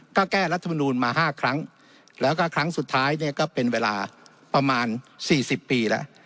ก็แก้รัฐมนูลมา๕ครั้งแล้วก็ครั้งสุดท้ายเนี่ยก็เป็นเวลาประมาณ๔๐ปีแล้ว